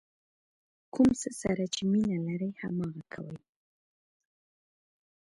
د کوم څه سره چې مینه لرئ هماغه کوئ.